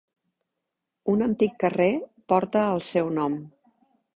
Un antic carrer porta el seu nom.